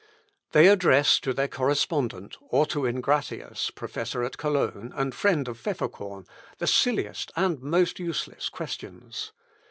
They address to their correspondent, Ortuin Gratius, professor at Cologne, and friend of Pfefferkorn, the silliest and most useless questions.